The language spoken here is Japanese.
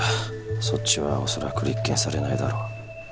そっちはおそらく立件されないだろう